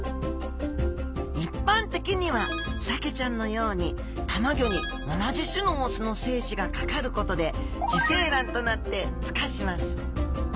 一般的にはサケちゃんのようにたまギョに同じ種の雄の精子がかかることで受精卵となってふ化します。